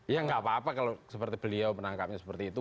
ya nggak apa apa kalau seperti beliau menangkapnya seperti itu